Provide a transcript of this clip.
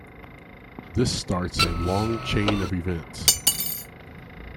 This starts a long chain of events.